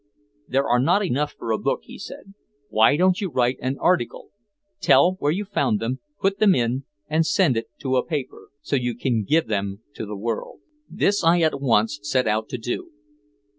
"There are not enough for a book," he said. "Why don't you write an article, tell where you found them, put them in, and send it to a paper? So you can give them to the world." This I at once set out to do.